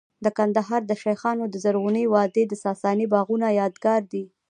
د کندهار د شیخانو د زرغونې وادۍ د ساساني باغونو یادګار دی